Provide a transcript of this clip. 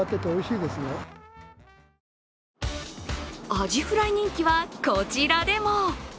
アジフライ人気は、こちらでも。